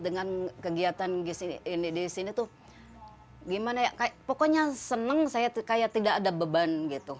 dengan kegiatan ini di sini tuh gimana ya pokoknya senang saya kayak tidak ada beban gitu